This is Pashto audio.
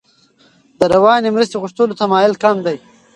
د رواني مرستې غوښتلو تمایل کم دی.